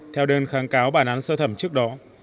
theo đơn kháng cáo bản án sơ thẩm trước đó